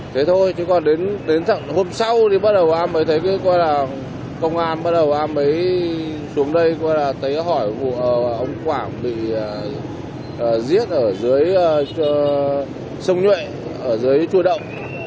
thế thôi chứ còn đến hôm sau thì bắt đầu am mới thấy cái coi là công an bắt đầu am mới xuống đây coi là thấy hỏi ông quảng bị giết ở dưới sông nhuệ ở dưới chua đậu